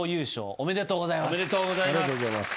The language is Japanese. ありがとうございます。